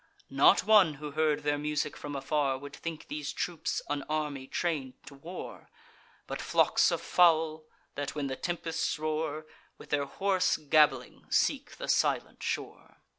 Not one who heard their music from afar, Would think these troops an army train'd to war, But flocks of fowl, that, when the tempests roar, With their hoarse gabbling seek the silent shore.